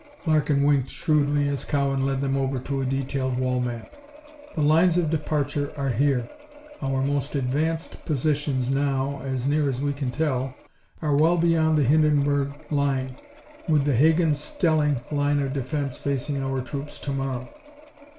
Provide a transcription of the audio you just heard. Larkin winked shrewdly as Cowan led them over to a detailed wall map. "The lines of departure are here. Our most advanced positions, now, as near as we can tell, are well beyond the Hindenburg Line, with the Hagen Stellung line of defense facing our troops to morrow.